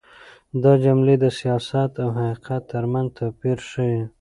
دا جملې د سياست او حقيقت تر منځ توپير ښيي.